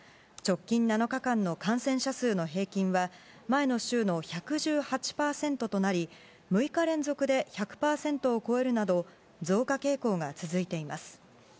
直近７日間の感染者数の平均は前の週の１１８％となり６日連続で１００％を超えるなど増加傾向が続いています。